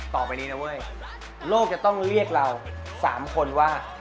ต่อไปนี้นะเว้ยโลกจะต้องเรียกเรา๓คนว่า